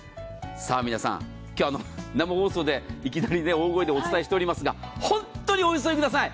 皆さん、今日は生放送でいきなり大声でお伝えしておりますが本当にお急ぎください。